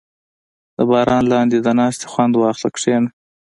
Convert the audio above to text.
• د باران لاندې د ناستې خوند واخله، کښېنه.